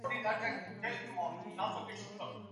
نه اسمان کې يې د وریځو کاروان.